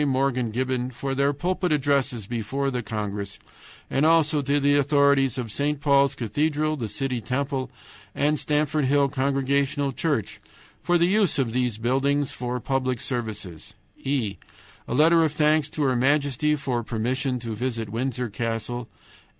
Morgan Gibbon for their pulpit addresses before the congress, and also to the authorities of St. Paul's Cathedral, the City Temple, and Stamford Hill Congregational Church for the use of those buildings for public services. "e. A letter of thanks to her Majesty for permission to visit Windror Castle.